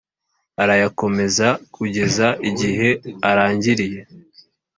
arayakomeza kugeza igihe arangiriye